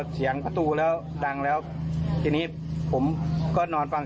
เขาคงจะทะเลาะกันนะครับ